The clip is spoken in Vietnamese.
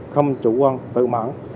không chủ quan tự mãn